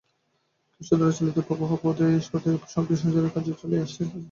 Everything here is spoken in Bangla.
খ্রীষ্ট-দ্বারা চালিত প্রবাহ-পথেই শক্তিসঞ্চারের কার্য চলিয়া আসিতেছে।